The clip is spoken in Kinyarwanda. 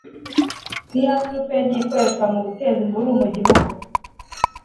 ni ya turufu yagiye ikoreshwa mu guteza imvururu mu gihugu